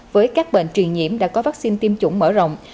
với các bệnh truyền nhiễm đã có vaccine tiêm chủng mở rộng